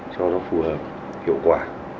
cho nó phù hợp hiệu quả